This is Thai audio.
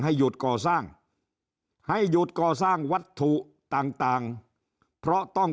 หยุดก่อสร้างให้หยุดก่อสร้างวัตถุต่างเพราะต้อง